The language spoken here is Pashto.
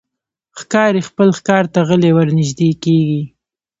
ښکاري خپل ښکار ته غلی ورنژدې کېږي.